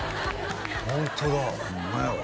ホントだホンマやわ